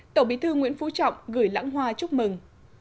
tổng bí thư nguyễn phú trọng gửi lãng hoa chúc mừng